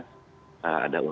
ada undang undang bumn